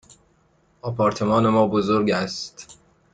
آپارتمان ما بزرگ است.